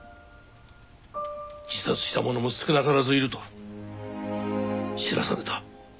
自殺した者も少なからずいると知らされた。